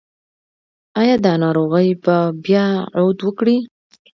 ایا دا ناروغي به بیا عود وکړي؟